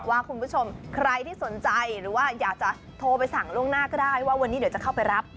ว่าคุณผู้ชมใครที่สนใจหรือว่าอยากจะโทรไปสั่งล่วงหน้าก็ได้ว่าวันนี้เดี๋ยวจะเข้าไปรับ